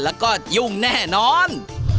แล้วก็ยุ่งแน่นอน